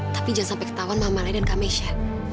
tapi jangan sampai ketahuan mama lain dan kak mesya